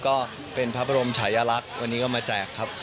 ก็เป็นพระบรมชายลักษณ์วันนี้ก็มาแจกครับ